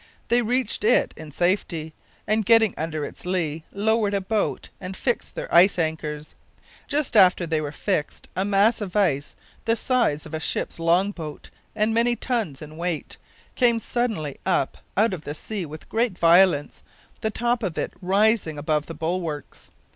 They reached it in safety, and getting under its lee, lowered a boat and fixed their ice anchors. Just after they were fixed, a mass of ice, the size of a ship's long boat and many tons in weight, came suddenly up out of the sea with great violence, the top of it rising above the bulwarks.